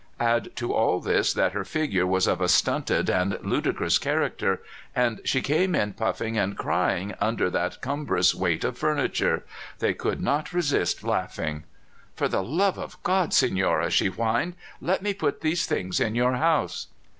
Add to all this that her figure was of a stunted and ludicrous character, and she came in puffing and crying under that cumbrous weight of furniture. They could not resist laughing. "For the love of God, señora," she whined, "let me put these things in your house."